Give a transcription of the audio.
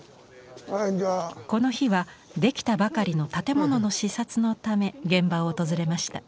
この日は出来たばかりの建物の視察のため現場を訪れました。